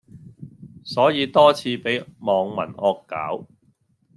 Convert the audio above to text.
所以多次俾網民惡搞